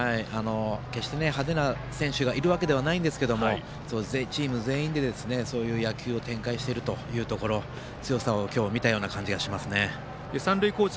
決して派手な選手がいるわけではないんですがチーム全員で、そういう野球を展開しているというところ強さを今日、見たような感じがしますけどね。